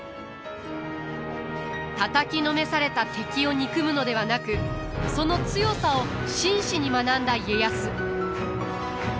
たたきのめされた敵を憎むのではなくその強さを真摯に学んだ家康。